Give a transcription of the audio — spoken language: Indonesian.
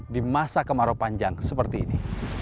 di masa kemarau panjang seperti ini